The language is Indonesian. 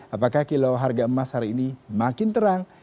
apakah kilau harga emas hari ini makin terang